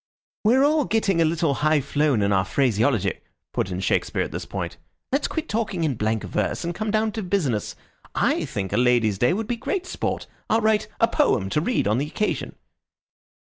"We're all getting a little high flown in our phraseology," put in Shakespeare at this point. "Let's quit talking in blank verse and come down to business. I think a ladies' day would be great sport. I'll write a poem to read on the occasion."